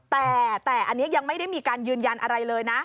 แต่อันนี้ยังไม่ได้มีการยืนยันอะไรเลยนะ